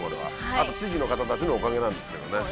あと地域の方たちのおかげなんですけどね。